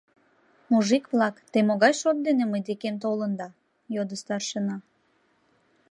— Мужик-влак, те могай шот дене мый декем толында? — йодо старшина.